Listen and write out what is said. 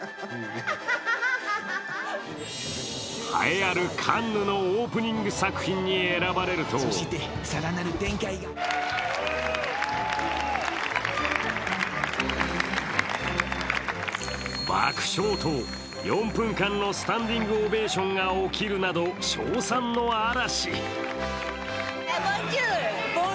栄えあるカンヌのオープニング作品に選ばれると爆笑と４分間のスタンディングオベーションが起きるなど称賛の嵐。